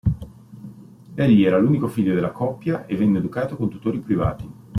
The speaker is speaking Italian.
Egli era l'unico figlio della coppia e venne educato con tutori privati.